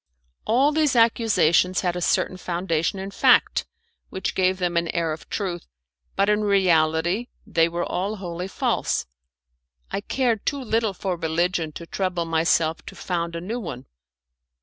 All these accusations had a certain foundation in fact which gave them an air of truth, but in reality they were all wholly false. I cared too little for religion to trouble myself to found a new one.